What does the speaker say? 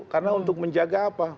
karena untuk menjaga apa